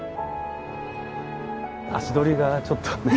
足取りがちょっとねえ？